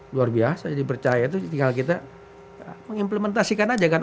luar biasa dipercaya itu tinggal kita mengimplementasikan aja kan